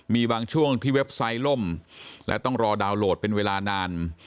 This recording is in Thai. มีบางช่วงที่เว็บไซต์ล่มและต้องรอดาวน์โหลดเป็นเวลานาน